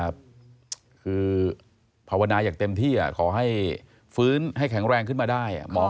คือภาวนาอย่างเต็มที่ขอให้ฟื้นให้แข็งแรงขึ้นมาได้